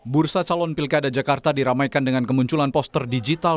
bursa calon pilkada jakarta diramaikan dengan kemunculan poster digital